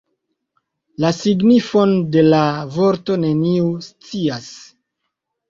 La signifon de la vorto neniu scias.